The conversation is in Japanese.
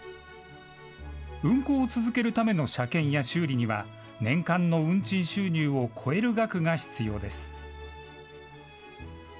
運行を続けるための車検や修理には年間の運賃収入を超える額が必要です。